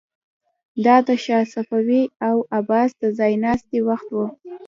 دا د شاه صفوي او عباس د ځای ناستي وخت و.